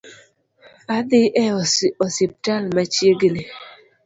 Adhi e osiptal machiegni